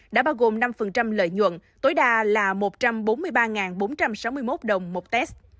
một bốn trăm sáu mươi một đồng một test